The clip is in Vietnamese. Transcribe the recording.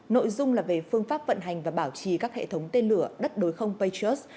nội dung là về phương pháp vận hành và bảo trì các hệ thống tên lửa đất đối không patust